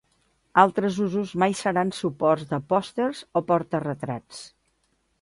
Altres usos mai seran suports de pòsters o porta-retrats.